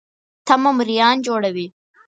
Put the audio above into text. تمه مریان جوړوي.